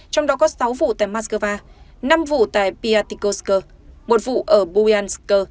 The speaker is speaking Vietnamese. trong đó có sáu vụ tại moscow năm vụ tại piatykovsk một vụ ở bujansk